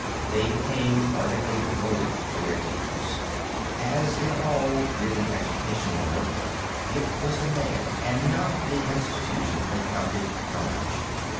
They became ardently devoted to their teachers. As in all really educational work, it was the man and not the institution that counted for much.